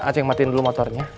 aceh matiin dulu motornya